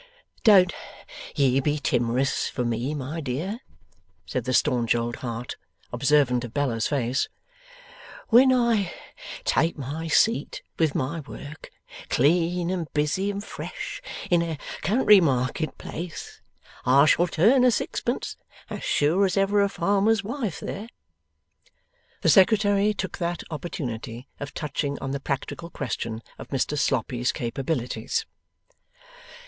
'Don't ye be timorous for me, my dear,' said the stanch old heart, observant of Bella's face: 'when I take my seat with my work, clean and busy and fresh, in a country market place, I shall turn a sixpence as sure as ever a farmer's wife there.' The Secretary took that opportunity of touching on the practical question of Mr Sloppy's capabilities.